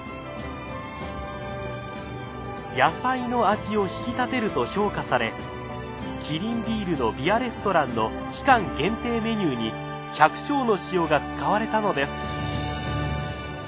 野菜の味を引き立てると評価されキリンビールのビアレストランの期間限定メニューに百笑の塩が使われたのです。